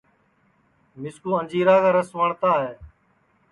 مِسکُو اَنجیرا کا رس وٹؔتا ہے